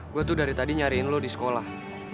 gue tuh dari tadi nyariin lo di sekolah